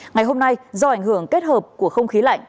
ngày hôm nay do ảnh hưởng kết hợp của không khí lạnh